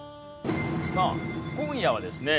さあ今夜はですね